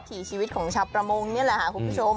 ถีชีวิตของชาวประมงนี่แหละค่ะคุณผู้ชม